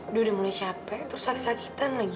aduh udah mulai capek terus sakit sakitan lagi